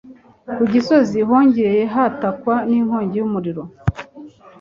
ku Gisozi hongeye hatakwa n'inkongi y' umuriro